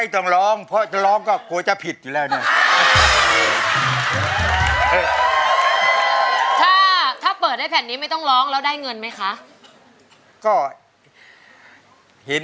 คุณตารู้ไหมคะว่าเปิดได้แผ่นนี้มันเกิดอะไรขึ้น